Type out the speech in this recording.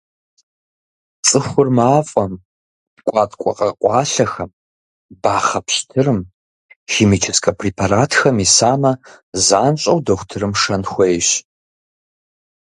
Цӏыхур мафӏэм, ткӏуаткӏуэ къэкъуалъэхэм, бахъэ пщтырым, химическэ препаратхэм исамэ, занщӏэу дохутырым шэн хуейщ.